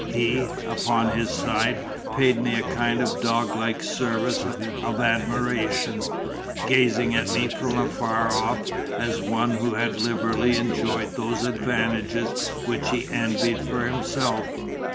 He, upon his side, paid me a kind of doglike service of admiration, gazing at me from afar off as at one who had liberally enjoyed those "advantages" which he envied for himself.